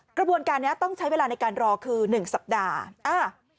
กระบวนการนี้ต้องใช้เวลาในการรอคือ๑สัปดาห์